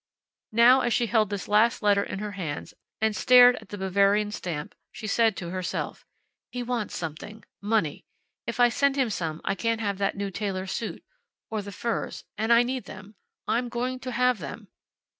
Now, as she held this last letter in her hands, and stared at the Bavarian stamp, she said to herself: "He wants something. Money. If I send him some I can't have that new tailor suit, or the furs. And I need them. I'm going to have them."